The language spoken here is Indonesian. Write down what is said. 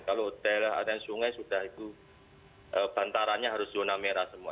kalau daerah ada sungai sudah itu bantarannya harus zona merah semua